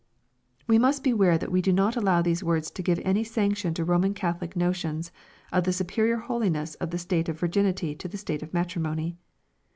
] We must beware that we do not allow these words to give any sanction to Roman Catholic no tions of the superior holiness of the state of virginity to the stAte of matrimony.